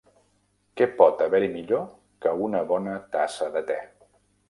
Què pot haver-hi millor que una bona tassa de te?